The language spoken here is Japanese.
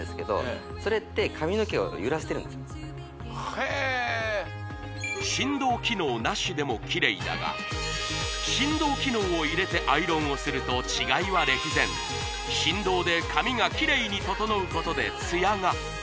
へえ振動機能なしでもきれいだが振動機能を入れてアイロンをすると違いは歴然振動で髪がきれいに整うことでツヤが！